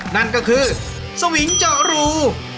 นั่นก็คือสวิงเจาะรู